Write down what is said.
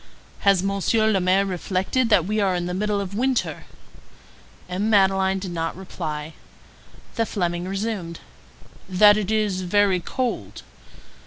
"Has Monsieur le Maire reflected that we are in the middle of winter?" M. Madeleine did not reply. The Fleming resumed:— "That it is very cold?"